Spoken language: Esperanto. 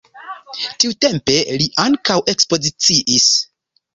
Tiutempe li ankaŭ ekspoziciis.